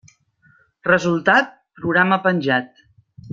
Resultat: programa penjat.